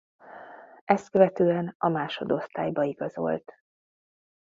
Ezt követően a másodosztályba igazolt.